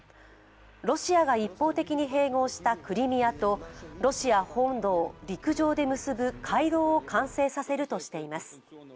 ロシア側一方的に併合したクリミアとロシア本土を陸上で結ぶ回廊を完成させるとしています。